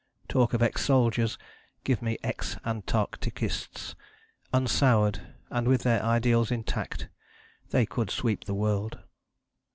Talk of ex soldiers: give me ex antarcticists, unsoured and with their ideals intact: they could sweep the world.